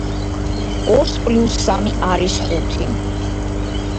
ორს პლუს სამი არის ხუთი.